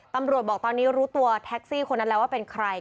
ตำรวจบอกตอนนี้รู้ตัวแท็กซี่คนนั้นแล้วว่าเป็นใคร